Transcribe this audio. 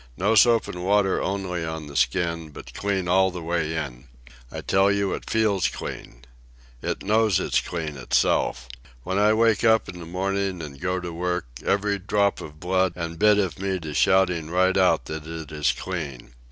No soap and water only on the skin, but clean all the way in. I tell you it feels clean. It knows it's clean itself. When I wake up in the morning an' go to work, every drop of blood and bit of meat is shouting right out that it is clean.